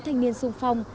thanh niên xuân phong